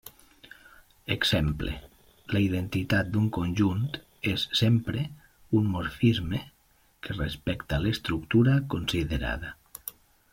Exemple: la identitat d'un conjunt és sempre un morfisme, que respecta l'estructura considerada.